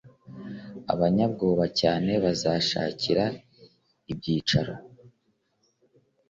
Abanyabwoba cyane babashakira ibyicaro